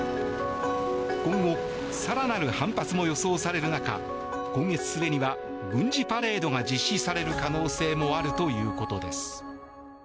今後、更なる反発も予想される中今月末には軍事パレードが実施される可能性もあるということです。